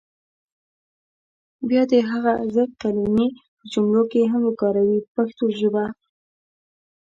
بیا دې هغه ضد کلمې په جملو کې هم وکاروي په پښتو ژبه.